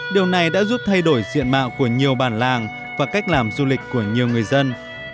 điều này đã giúp thay đổi diện mạo của nhiều bản làng và cách làm du lịch của nhiều người dân